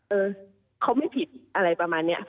เออเขาไม่ผิดอะไรประมาณนี้